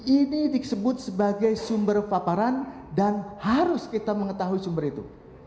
ini disebut sebagai sumber paparan dan harus kita mengetahui sumber itu